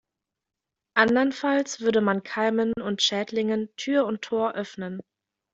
Andernfalls würde man Keimen und Schädlingen Tür und Tor öffnen.